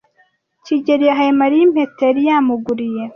kigeli yahaye Mariya impeta yari yamuguriye.